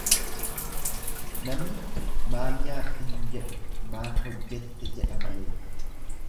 Namni maal nyaatte hin jedhu, maal hojjette jedha malee.